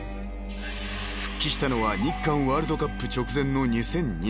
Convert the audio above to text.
［復帰したのは日韓ワールドカップ直前の２００２年］